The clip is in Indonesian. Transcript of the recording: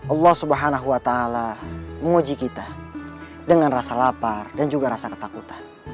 allah subhanahu wa ta'ala menguji kita dengan rasa lapar dan juga rasa ketakutan